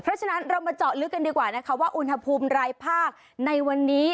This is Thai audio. เพราะฉะนั้นเรามาเจาะลึกกันดีกว่านะคะว่าอุณหภูมิรายภาคในวันนี้